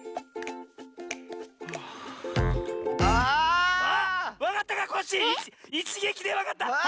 あ！あっわかったかコッシー⁉いちげきでわかった！